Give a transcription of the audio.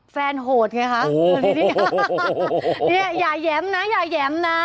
แฟนโหดไงคะอย่าแย้มนะอย่าแย้มนะ